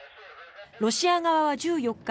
ロシア側は１４日